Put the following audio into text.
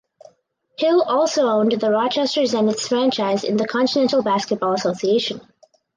Hill also owned the Rochester Zeniths franchise in the Continental Basketball Association.